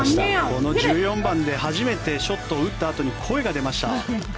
この１４番で初めてショットを打ったあとに声が出ました。